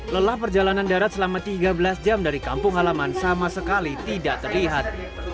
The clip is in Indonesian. lelah perjalanan darat selama tiga belas jam dari kampung halaman sama sekali tidak terlihat